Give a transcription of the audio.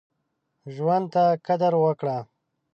ژوند ته قدر وکړه.